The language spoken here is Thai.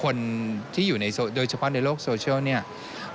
คนที่อยู่โดยเฉพาะในโลกโซเชียลเนี่ย